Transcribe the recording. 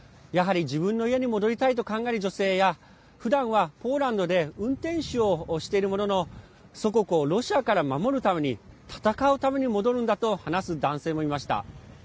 やはり自分の家に戻りたいと考える女性やふだんはポーランドで運転手をしているものの祖国をロシアから守るために戦うために戻るんだと話す男性もいました。